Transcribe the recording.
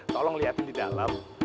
tolong liatin di dalam